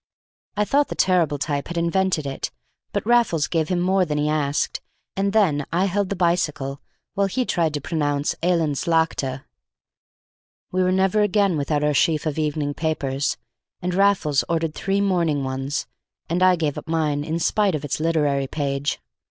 I thought the terrible type had invented it, but Raffles gave him more than he asked, and then I held the bicycle while he tried to pronounce Eland's Laagte. We were never again without our sheaf of evening papers, and Raffles ordered three morning ones, and I gave up mine in spite of its literary page.